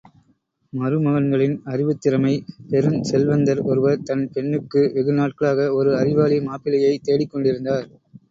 மருமகன்களின் அறிவுத் திறமை பெருஞ் செல்வந்தர் ஒருவர் தன் பெண்ணுக்கு வெகு நாட்களாக ஒரு அறிவாளி மாப்பிள்ளையைத்தேடிக் கொண்டிருந்தார்.